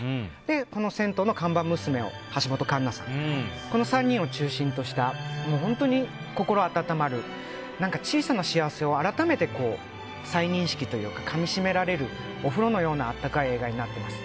この銭湯の看板娘を橋本環奈さんがやってこの３人を中心とした本当に心温まる、小さな幸せを改めて再認識というかかみ締められるお風呂のようなあったかい映画になっています。